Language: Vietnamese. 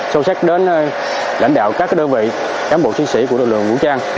sâu sắc đến lãnh đạo các đơn vị cám bộ chiến sĩ của lực lượng vũ trang